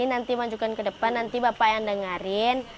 nanti majukan ke depan nanti bapak yang dengerin